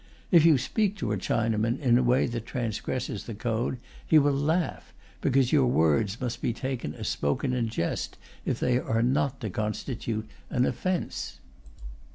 If you speak to a Chinaman in a way that transgresses the code, he will laugh, because your words must be taken as spoken in jest if they are not to constitute an offence.